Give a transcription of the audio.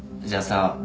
じゃあさ